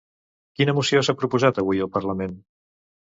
Quina moció s'ha proposat avui al Parlament?